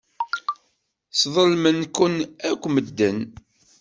Sḍelmen-kent akk medden.